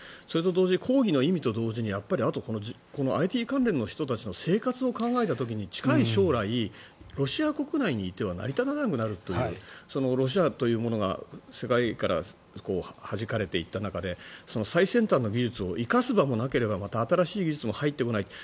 それと同時に抗議の意味と同時にＩＴ関連の人たちの生活を考えた時に近い将来、ロシア国内にいては成り立たなくなるというロシアというものが世界からはじかれていった中で最先端の技術を生かす場もなければまた新しい技術も入ってこない。